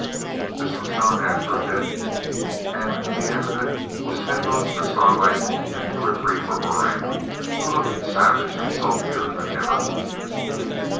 This was done after a bit, and the end of it was ten votes for Starlight and two or three for Moran, who looked savage and sulkier than ever.